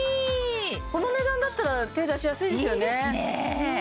この値段だったら手出しやすいですよねいいですね！